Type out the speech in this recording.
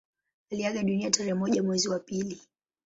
Aliaga dunia tarehe moja mwezi wa pili